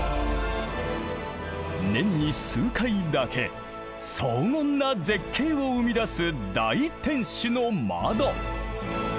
年に数回だけ荘厳な絶景を生み出す大天守の窓。